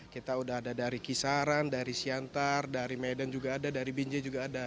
kita udah ada dari kisaran dari siantar dari medan juga ada dari binjai juga ada